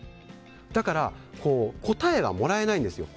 だから、答えがもらえないんです。